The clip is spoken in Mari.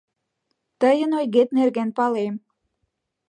— Тыйын ойгет нерген палем.